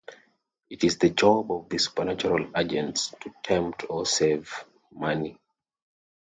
It is the job of the supernatural agents to tempt or save Manny.